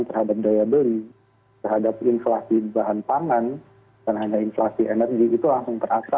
terhadap daya beli terhadap inflasi bahan pangan dan hanya inflasi energi itu langsung terasa